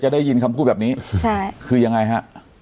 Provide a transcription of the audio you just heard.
ได้ยินคำพูดแบบนี้ใช่คือยังไงฮะ